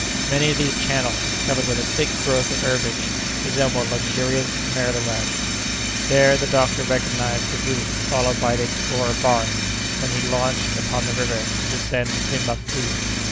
Many of these channels, covered with a thick growth of herbage, resembled luxuriant meadow lands. There the doctor recognized the route followed by the explorer Barth when he launched upon the river to descend to Timbuctoo.